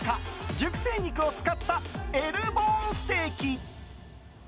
熟成肉を使ったＬボーンステーキ。